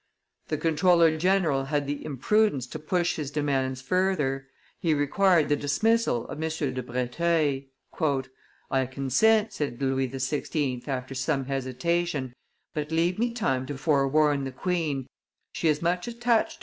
The comptroller general had the imprudence to push his demands further; he required the dismissal of M. de Breteuil. "I consent," said Louis XVI. after some hesitation; "but leave me time to forewarn the queen, she is much attached to M.